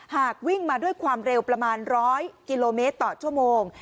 หากวิ่งมาด้วยความเร็วประมาณ๑๐๐กิโลเมตรต่อชั่วโมง